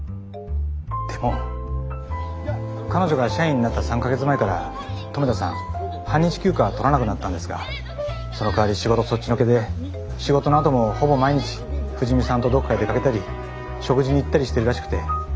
でも彼女が社員になった３か月前から留田さん半日休暇は取らなくなったんですがそのかわり仕事そっちのけで仕事のあともほぼ毎日藤見さんとどっかへ出かけたり食事に行ったりしてるらしくて。